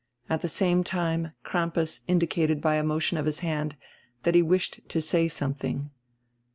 At die same time Crampas indicated by a motion of his hand that he wished to say something.